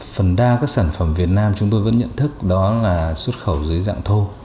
phần đa các sản phẩm việt nam chúng tôi vẫn nhận thức đó là xuất khẩu dưới dạng thô